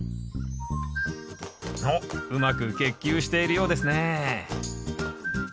おっうまく結球しているようですね